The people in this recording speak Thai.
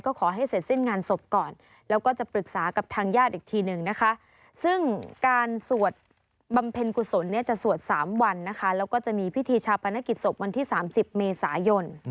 ก็ขอให้เสร็จสิ้นงานศพก่อน